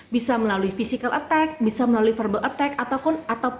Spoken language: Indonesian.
bisa melalui physical attack bisa melalui verbal attack ataupun